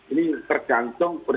itu agak barangus kita buat